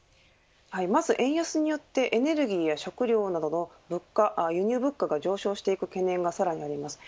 まず円安によってエネルギーや食料などの物価、輸入物価が上昇していく懸念があります。